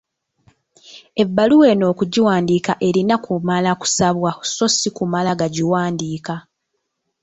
Ebbaluwa eno okugiwandiika erina kumala kusabwa so si kumala gagiwandiika.